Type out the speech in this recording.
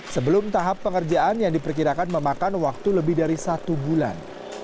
sebelum tahap pengerjaan yang diperkirakan memakan waktu lebih dari satu bulan